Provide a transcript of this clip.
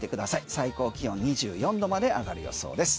最高気温２４度まで上がる予想です。